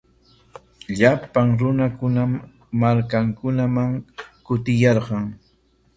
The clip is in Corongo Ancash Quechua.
Llapan runakunam markankunaman kutiyarqan.